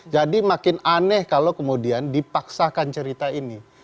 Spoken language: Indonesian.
jadi makin aneh kalau kemudian dipaksakan cerita ini